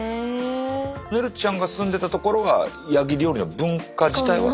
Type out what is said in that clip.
ねるちゃんが住んでた所がヤギ料理の文化自体は。